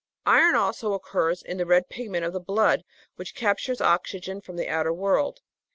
Iron also occurs in the red pigment of the blood which captures oxygen from the outer world.